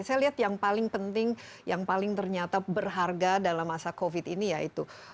saya lihat yang paling penting yang paling ternyata berharga dalam masa covid ini yaitu